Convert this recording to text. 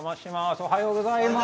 おはようございます。